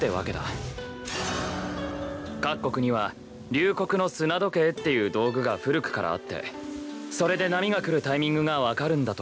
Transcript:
各国には龍刻の砂時計っていう道具が古くからあってそれで波が来るタイミングが分かるんだとか。